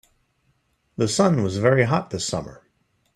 The sun was very hot this summer.